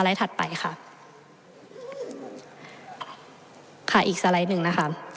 อีกสละหนึ่งนะคะ